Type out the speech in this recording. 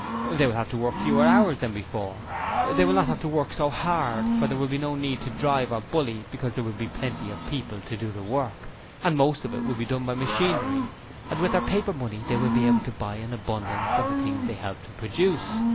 They will have to work fewer hours than before... They will not have to work so hard for there will be no need to drive or bully, because there will be plenty of people to do the work, and most of it will be done by machinery and with their paper money they will be able to buy abundance of the things they help to produce.